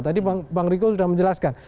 tadi bang riko sudah menjelaskan